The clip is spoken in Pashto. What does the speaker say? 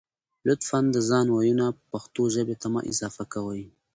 لطفاً د ځانه وييونه پښتو ژبې ته مه اضافه کوئ